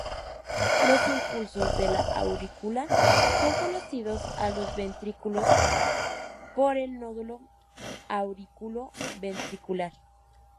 Los impulsos de la aurícula son conducidos a los ventrículos por el nódulo auriculoventricular.